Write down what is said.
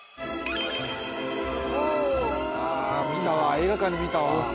映画館で見たわ。